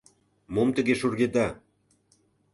Мом тыге шургеда?